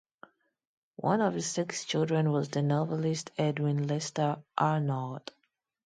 One of his six children was the novelist Edwin Lester Arnold.